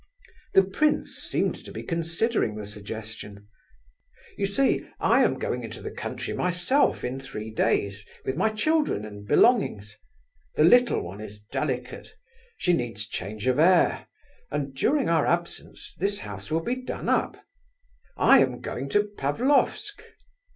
The prince seemed to be considering the suggestion. "You see, I am going into the country myself in three days, with my children and belongings. The little one is delicate; she needs change of air; and during our absence this house will be done up. I am going to Pavlofsk."